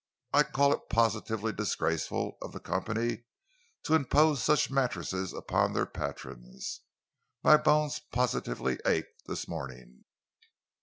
I call it positively disgraceful of the company to impose such mattresses upon their patrons. My bones positively ache this morning."